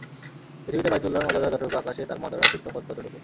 পৃথিবীতে বায়তুল্লাহর মর্যাদা যতটুকু আকাশে তার মর্যাদা ঠিক ততটুকু।